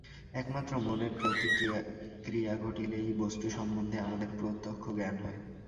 একমাত্র মনের প্রতিক্রিয়া ঘটিলেই বস্তু-সম্বন্ধে আমাদের প্রত্যক্ষ জ্ঞান হয়।